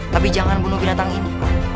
tapi jangan bunuh binatang ini